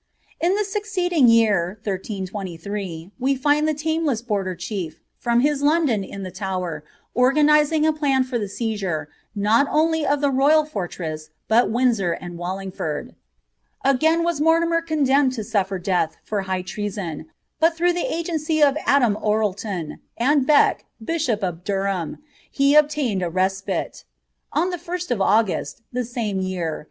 In the succeeding year, 1333, we 6nd the lamdesa border chief, fiov his dungeon in llie Tower, organizing a plan for the seiiure, not ait of that royal fortress, but Windsor and Wallingford. Again iraa ttoO^ nier condemned to euifer death for high treason, but through tlteagM<} of Adam Orleton, and Beck, bishop of Durham, he obiaineil « mM. On the Ist of August, the same year.